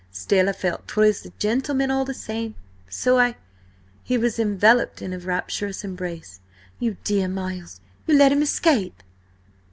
Still, I felt that 'twas a gentleman all the same, so I—" He was enveloped in a rapturous embrace. "You dear Miles! You let him escape?"